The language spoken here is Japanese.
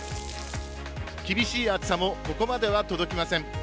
厳しい暑さも、ここまでは届きません。